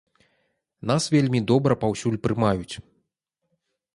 Нас вельмі добра паўсюль прымаюць.